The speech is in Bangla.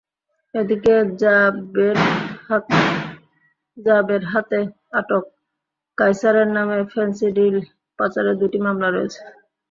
এদিকে র্যা বের হাতে আটক কাইছারের নামে ফেনসিডিল পাচারের দুটি মামলা রয়েছে।